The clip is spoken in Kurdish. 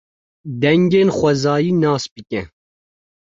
Dengên xwezayî nas bike.